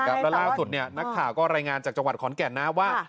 และล่าวสุดนี้นักฐานรายงานจากจังหวัดขอนแก่นน้าว่า